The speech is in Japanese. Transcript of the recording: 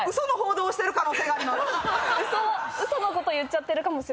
嘘嘘のこと言っちゃってるかもしれない。